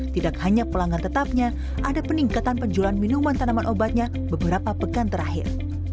tidak hanya pelanggan tetapnya ada peningkatan penjualan minuman tanaman obatnya beberapa pekan terakhir